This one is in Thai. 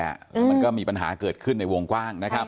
มันก็มีปัญหาเกิดขึ้นในวงกว้างนะครับ